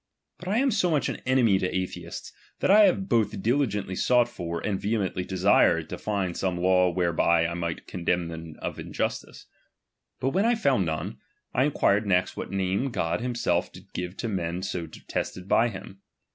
But I am so much an enemy to atheists, that I have both diligently sought for, and vehemently desired to find some laiv whereby 1 might condemn them of injustice. But when B found none, I inquired next what name God himself did give to men so detested by him.